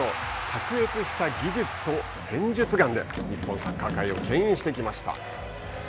卓越した技術と戦術眼で日本サッカー界をけん引してきました。